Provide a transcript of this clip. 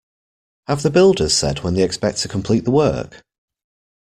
Have the builders said when they expect to complete the work?